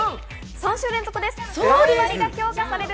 ３週連続です。